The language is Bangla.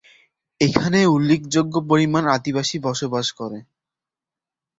এখানে উল্লেখযোগ্য পরিমাণে আদিবাসী বসবাস করে।